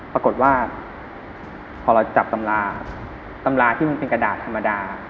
ปรากฏว่าพอเราจับตำราตำราที่มันเป็นกระดาษธรรมดา